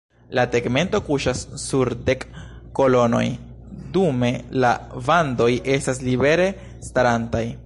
La tegmento kuŝas sur dek kolonoj dume la vandoj estas libere starantaj.